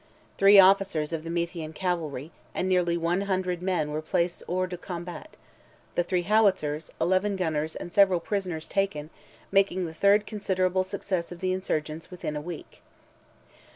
Three officers of the Meathian cavalry, and nearly one hundred men were placed hors de combat; the three howitzers, eleven gunners, and several prisoners taken; making the third considerable success of the insurgents within a week.